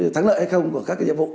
thắng lợi hay không của các nhiệm vụ